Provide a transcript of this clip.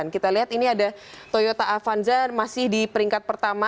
kita lihat ini ada toyota avanza masih di peringkat pertama